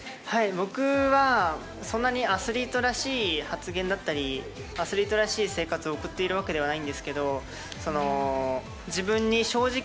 僕はそんなにアスリートらしい発言だったりアスリートらしい生活を送っているわけでは